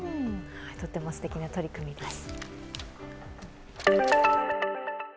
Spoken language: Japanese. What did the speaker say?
とってもすてきな取り組みです。